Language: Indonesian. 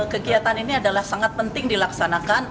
kegiatan ini adalah sangat penting dilaksanakan